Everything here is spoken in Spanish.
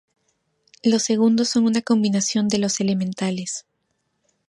Los segundos son una combinación de los elementales.